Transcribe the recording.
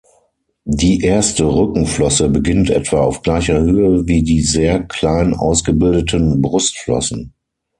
Die erste Rückenflosse beginnt etwa auf gleicher Höhe wie die sehr klein ausgebildeten Brustflossen.